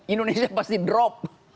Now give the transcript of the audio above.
indonesia pasti drop